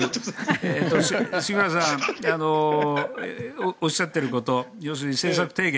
杉村さんがおっしゃっていること要するに政策提言